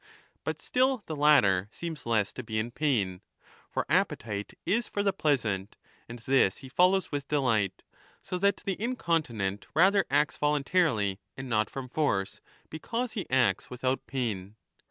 But still the latter seems less to be in pain ; for appetite is for the pleasant, and this he follows with delight ; so that the incontinent rather acts voluntarily and not from force, because he acts without pain.